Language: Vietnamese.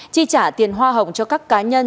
chi trả tiền hoa hồng cho các cá nhân